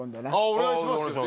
お願いします。